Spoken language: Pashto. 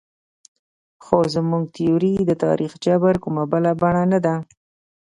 خو زموږ تیوري د تاریخ جبر کومه بله بڼه نه ده.